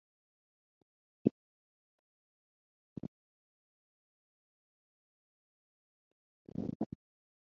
Keeping this priming stroke inaudible calls for a great deal of skill.